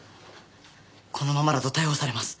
このままだと逮捕されます。